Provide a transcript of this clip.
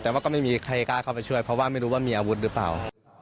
แต่ว่าก็ไม่มีใครกล้าเข้าไปช่วยเพราะว่าไม่รู้ว่ามีอาวุธหรือเปล่า